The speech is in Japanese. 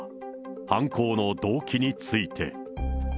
犯行の動機について。